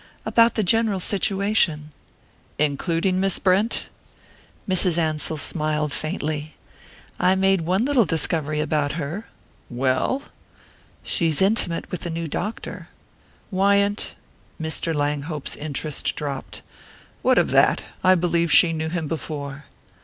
"About the general situation." "Including Miss Brent?" Mrs. Ansell smiled faintly. "I made one little discovery about her." "Well?" "She's intimate with the new doctor." "Wyant?" Mr. Langhope's interest dropped. "What of that? I believe she knew him before."